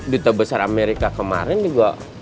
di terbesar amerika kemarin juga